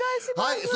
はい。